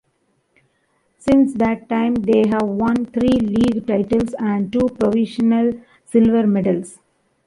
Since that time, they have won three league titles and two provincial silver medals.